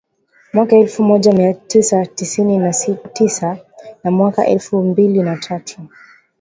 mwaka elfu moja mia tisa tisini na tisa na mwaka elfu mbili na tatu